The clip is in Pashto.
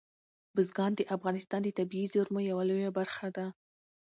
بزګان د افغانستان د طبیعي زیرمو یوه لویه برخه ده.